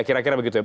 kira kira begitu ya